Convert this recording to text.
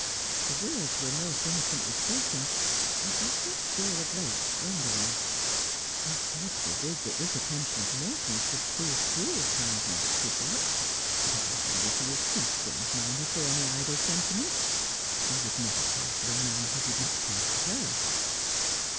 The words were most innocently spoken, yet they set Dora Blake wondering. 'God forbid that this attention of Morton's should prove cruel kindness !' she thought. ' But my Lizzie is too strong minded for any idle sentiment. She would never care for a man who did not care for her.'